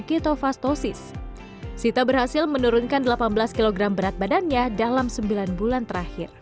ketofastosis sita berhasil menurunkan delapan belas kg berat badannya dalam sembilan bulan terakhir